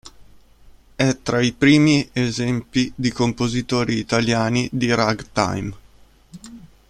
È tra i primi esempi di compositori italiani di "ragtime".